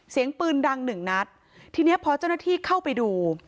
เสียงปืนดังหนึ่งนัดทีเนี้ยพอเจ้าหน้าที่เข้าไปดู